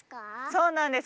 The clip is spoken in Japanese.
そうなんです。